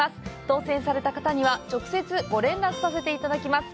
当せんされた方には直接ご連絡させていただきます。